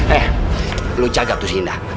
eh lu jaga putus indah